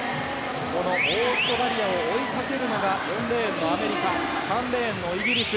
オーストラリアを追いかけるのが４レーンのアメリカ３レーンのイギリス。